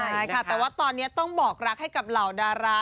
ใช่ค่ะแต่ว่าตอนนี้ต้องบอกรักให้กับเหล่าดารา